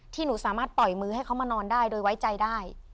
หนูสามารถปล่อยมือให้เขามานอนได้โดยไว้ใจได้